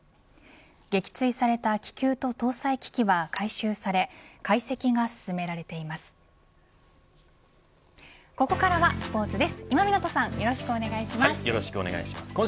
撃墜された気球と搭載機器は回収され解析が進められています。